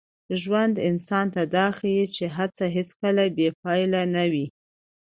ژوند انسان ته دا ښيي چي هڅه هېڅکله بې پایلې نه وي.